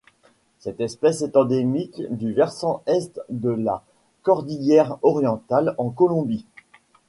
Cette espèce est endémique du versant Est de la cordillère Orientale en Colombie.